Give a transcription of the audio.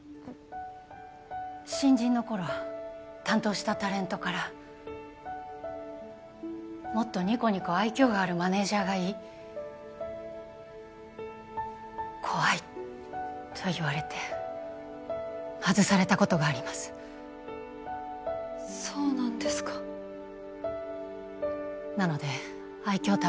新人の頃担当したタレントからもっとニコニコ愛きょうがあるマネージャーがいい怖いと言われて外されたことがありますそうなんですかなので愛きょう